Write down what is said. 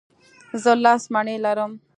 زه لس مڼې لرم.